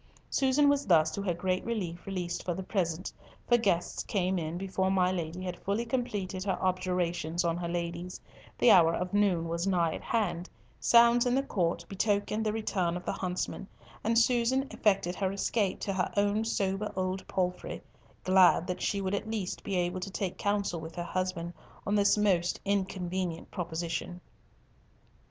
Susan was thus, to her great relief, released for the present, for guests came in before my Lady had fully completed her objurgations on her ladies, the hour of noon was nigh at hand, sounds in the court betokened the return of the huntsmen, and Susan effected her escape to her own sober old palfrey—glad that she would at least be able to take counsel with her husband on this most inconvenient proposition.